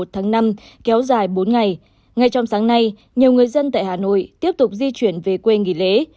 một tháng năm kéo dài bốn ngày ngay trong sáng nay nhiều người dân tại hà nội tiếp tục di chuyển về quê nghỉ lễ